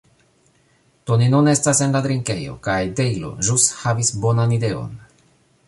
Do ni nun estas en la drinkejo, kaj Dejlo ĵus havis bonan ideon.